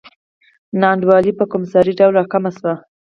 نا انډولي په کمسارې ډول راکمه شوه.